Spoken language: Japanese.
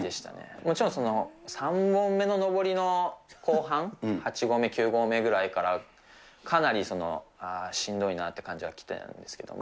もちろん、３本目の登りの後半、８合目、９合目ぐらいから、かなりしんどいなって感じはきてるんですけれども。